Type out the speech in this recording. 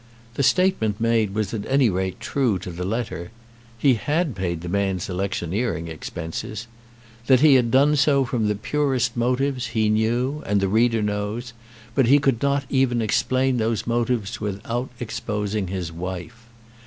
The statement made was at any rate true to the letter. He had paid the man's electioneering expenses. That he had done so from the purest motives he knew and the reader knows; but he could not even explain those motives without exposing his wife.